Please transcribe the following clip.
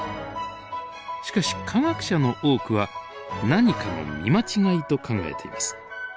しかし科学者の多くは何かの見間違いと考えています。